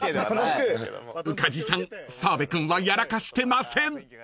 ［宇梶さん澤部君はやらかしてません］